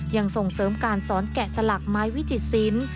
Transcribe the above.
ยังส่งเสริมการสอนแกะสลักไม้วิจิตศิลป์